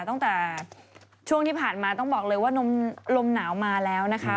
ตั้งแต่ช่วงที่ผ่านมาต้องบอกเลยว่าลมหนาวมาแล้วนะคะ